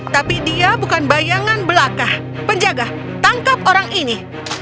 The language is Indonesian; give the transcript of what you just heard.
tapi dia bukan bayangan belaka penjaga tangkap orang ini